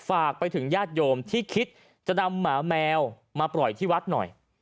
ฝากไปถึงญาติโยมที่คิดจะนำหมาแมวมาปล่อยที่วัดหน่อย